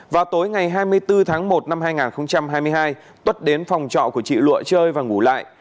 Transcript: vào tối ngày hai mươi bốn tháng một năm hai nghìn hai mươi hai tuất đến phòng trọ của chị lụa chơi và ngủ lại